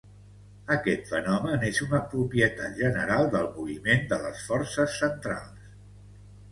Aquest fenomen és una propietat general del moviment de les forces centrals.